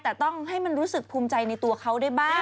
แต่ต้องให้มันรู้สึกภูมิใจในตัวเขาได้บ้าง